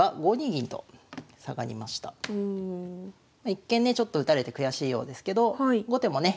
一見ねちょっと打たれて悔しいようですけど後手もね